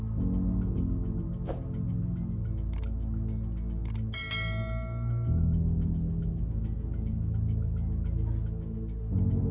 pak pak pak